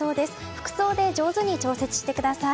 服装で上手に調節してください。